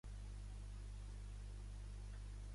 Comprova que no has deixat fora res.